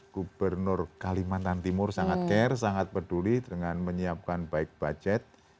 gubernur kalimantan timur sangat care sangat peduli dengan menyiapkan baik budget